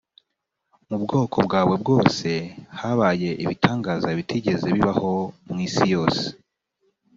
mu bwoko bwawe bwose habaye ibitangaza bitigeze bibaho mu isi yose